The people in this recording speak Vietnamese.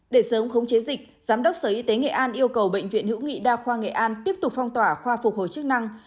để sớm khống chế dịch giám đốc sở y tế nghệ an yêu cầu bệnh viện hữu nghị đa khoa nghệ an tiếp tục phong tỏa khoa phục hồi chức năng